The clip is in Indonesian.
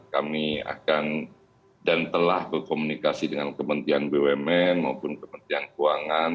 kami akan dan telah berkomunikasi dengan kementerian bumn maupun kementerian keuangan